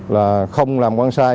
là không làm quan sai